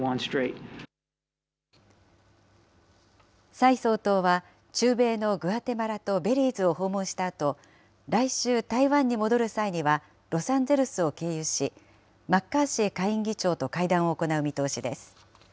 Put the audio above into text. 蔡総統は、中米のグアテマラとベリーズを訪問したあと、来週、台湾に戻る際にはロサンゼルスを経由し、マッカーシー下院議長と会談を行う見通しです。